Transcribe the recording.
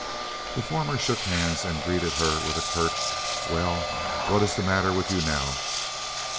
The former shook hands and greeted her with a curt, "Well, what is the matter with you now?"